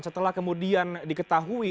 setelah kemudian diketahui